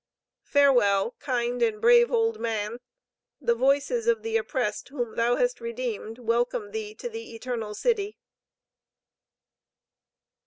Farewell, kind and brave old man! The voices of the oppressed whom thou hast redeemed, welcome thee to the Eternal City."